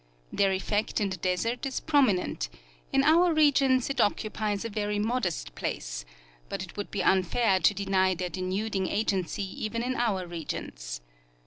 Their effect in the desert is prominent ; in our regions it occupies a very modest place ; but The grand Colorado Canyon. 173 it would be unfair to deny their denuding agency even in our regions.